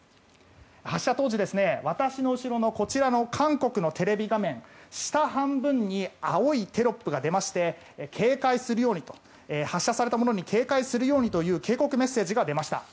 発射当時、私の後ろの韓国のテレビ画面下半分に青いテロップが出まして警戒するようにと発射されたものに警戒するようにと警告メッセージが出ました。